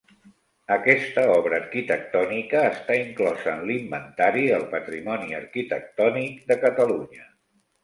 Aquesta obra arquitectònica està inclosa en l'Inventari del Patrimoni Arquitectònic de Catalunya.